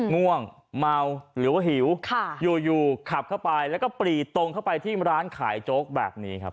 ง่วงเมาหรือว่าหิวอยู่ขับเข้าไปแล้วก็ปรีดตรงเข้าไปที่ร้านขายโจ๊กแบบนี้ครับ